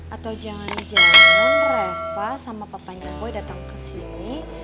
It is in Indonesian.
atau jangan jangan reva sama papanya boy datang kesini